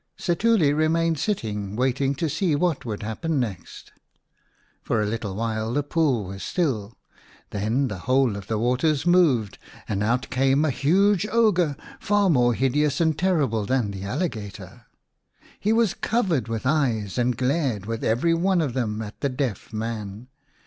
Setuli remained sitting, waiting to see what would happen next. For a little while the pool was still ; then the whole of the waters moved and out came a huge ogre, far more hideous and terrible than the alligator. He was covered with eyes and glared with every one of them at the deaf man.